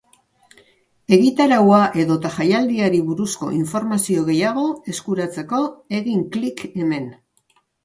Egitaraua edota jaialdiari buruzko informazio gehiago eskuratzeko, egin klik hemen.